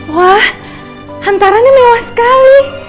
wah hantarannya mewah sekali